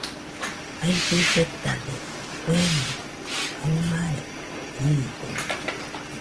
Aɨfɨ betade, kuemo kaɨmare riide.